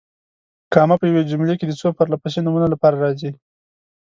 کامه په یوې جملې کې د څو پرله پسې نومونو لپاره راځي.